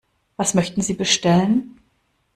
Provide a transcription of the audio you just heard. Was möchten Sie bestellen?